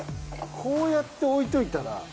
こうやって置いておいたら。